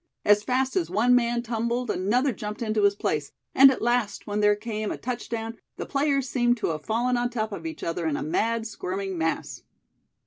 As fast as one man tumbled another jumped into his place, and at last when there came a touchdown the players seemed to have fallen on top of each other in a mad squirming mass.